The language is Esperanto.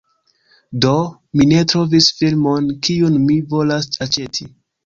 Do, mi ne trovis filmon, kiun mi volas aĉeti